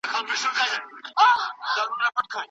د متضرر کورنۍ بايد د صلحي لاره غوره کړي.